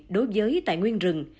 đối với tài nguyên rừng